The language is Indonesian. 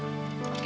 gue gak takut